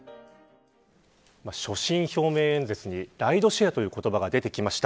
所信表明演説にライドシェアという言葉が出てきました。